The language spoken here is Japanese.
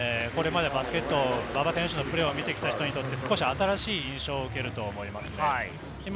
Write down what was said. スリーポイントをねらっていく馬場選手はこれまでバスケット、馬場選手のプレーを見てきた人にとって少し新しいい印象を受けると思います。